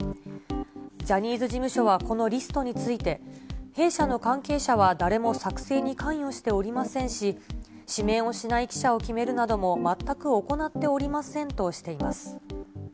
ジャニーズ事務所はこのリストについて、弊社の関係者は誰も作成に関与しておりませんし、指名をしない記者を決めるなども全く行っておりませんとしています。